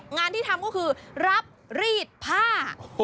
งานที่ทำก็คือรับรีดผ้า